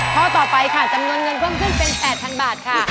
ข้อต่อไปค่ะจำนวนเงินเพิ่มขึ้นเป็น๘๐๐๐บาทค่ะ